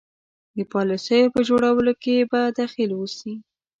د پالیسیو په جوړولو کې به دخیل اوسي.